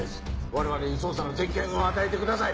我々に捜査の全権を与えてください。